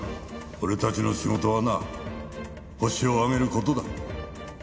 俺たちの仕事はなホシを挙げる事だ。